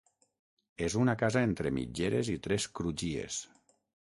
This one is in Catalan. És una casa entre mitgeres i tres crugies.